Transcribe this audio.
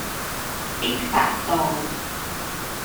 必發道